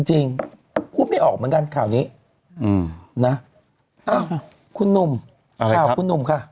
จริงพูดไม่ออกเหมือนกันข่าวนี้นะคุณหนุ่มข่าวคุณหนุ่มค่ะ